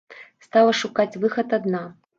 Стала шукаць выхад адна.